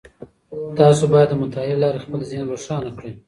تاسو بايد د مطالعې له لاري خپل ذهن روښانه کړئ.